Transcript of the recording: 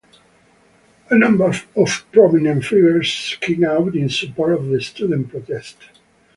A number of prominent figures came out in support of the student protest.